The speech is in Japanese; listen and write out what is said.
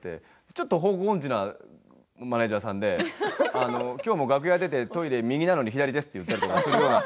ちょっと方向音痴なマネージャーさんできょうも楽屋出てトイレに右なのに左ですと言って。